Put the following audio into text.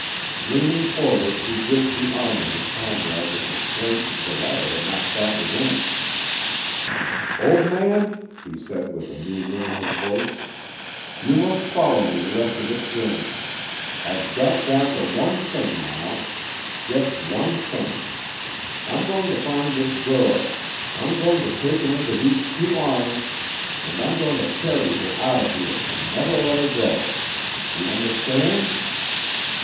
Leaning forward he gripped the arm of his comrade with a strength the latter had not thought within him. "Old man," he said with a new ring in his voice, "you must follow me the rest of this journey. I've got down to one thing now just one thing. I'm going to find this girl I'm going to take her into these two arms and I'm going to carry her out of here and never let her go. Do you understand?